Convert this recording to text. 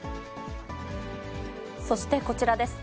そしてこちらです。